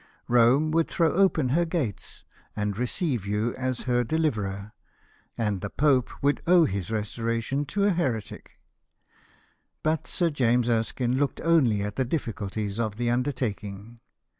Rome would throw open her gates, and receive THE RECOVERY OF ROME. 199 you as her deliverer; and the Pope would owe his restoration to a heretic." But Sir James Erskine looked only at the difficulties of the undertaking.